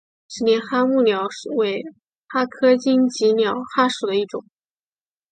是帘蛤目鸟尾蛤科棘刺鸟蛤属的一种。